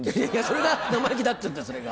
それが生意気だっていうんだよそれが。